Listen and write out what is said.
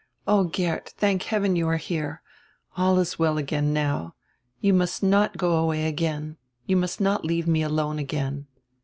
"Oh, Geert, thank heaven, you are here. All is well again now. You must not go away again, you must not leave me alone again."